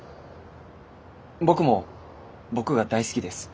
僕も僕が大好きです。